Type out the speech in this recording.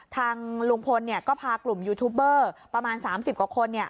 ทางลุงพลก็พากลุ่มยูทูบเบอร์ประมาณ๓๐กว่าคน